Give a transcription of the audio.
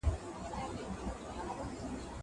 له ځانه به بې ځانه وم ناره به مي کوله